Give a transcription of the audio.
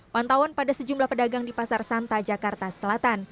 pantauan pada sejumlah pedagang di pasar santa jakarta selatan